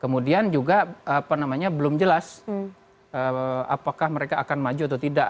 kemudian juga belum jelas apakah mereka akan maju atau tidak